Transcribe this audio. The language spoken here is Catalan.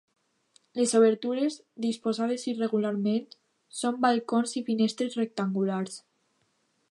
Les obertures, disposades irregularment, són balcons i finestres rectangulars.